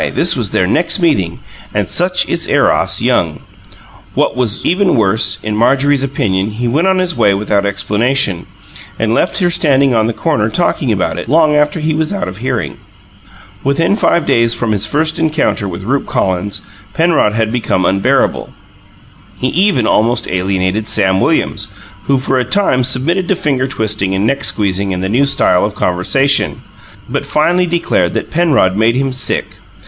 this was their next meeting, and such is Eros, young! What was even worse, in Marjorie's opinion, he went on his way without explanation, and left her standing on the corner talking about it, long after he was out of hearing. Within five days from his first encounter with Rupe Collins, Penrod had become unbearable. He even almost alienated Sam Williams, who for a time submitted to finger twisting and neck squeezing and the new style of conversation, but finally declared that Penrod made him "sick."